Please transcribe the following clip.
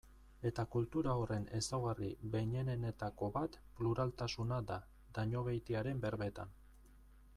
Eta kultura horren ezaugarri behinenetako bat pluraltasuna da, Dañobeitiaren berbetan.